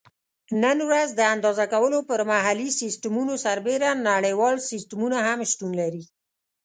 نن ورځ د اندازه کولو پر محلي سیسټمونو سربیره نړیوال سیسټمونه هم شتون لري.